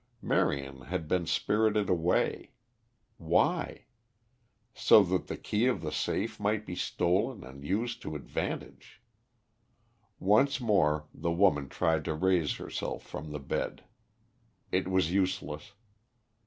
Marion had been spirited away. Why? So that the key of the safe might be stolen and used to advantage. Once more the woman tried to raise herself from the bed. It was useless.